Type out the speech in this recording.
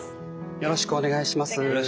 よろしくお願いします。